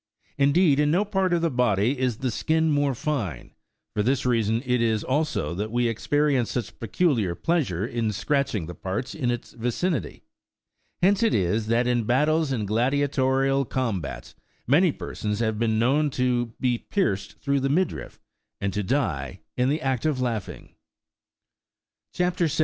71 indeed, in no part of the body is the skin more fine ; for this reason it is, also, that we experience such peculiar pleasure in scratching the parts in its vicinity. Hence it is, that in battles and gladiatorial combats, many persons have been known to be pierced through the midriff, and to die in the act of laughing.80 CHAP. 78.